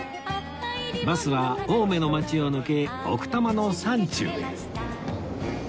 バスは青梅の町を抜け奥多摩の山中へ